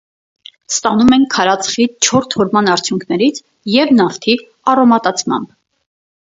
Ստանում են քարածխի չոր թորման արդյունքներից և նավթի արոմատացմամբ։